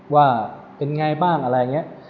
ว่าเป็นไงบ้างอะไรอย่างนี้